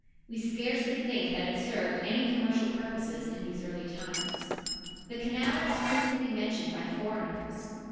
We scarcely think that it served any commercial purposes in these early times. The canal is frequently mentioned by foreigners.